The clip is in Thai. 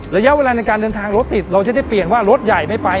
ระยะเวลาในการเดินทางรถติดเราจะได้เปลี่ยนว่ารถใหญ่ไม่ไป